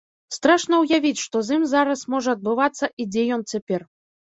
Страшна ўявіць, што з ім зараз можа адбывацца і дзе ён цяпер.